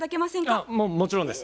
あっもちろんです。